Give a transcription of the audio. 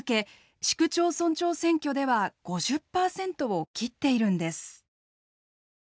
市区町村長選挙では５０％を切っているんです。